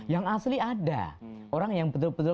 yang asli ada orang yang betul betul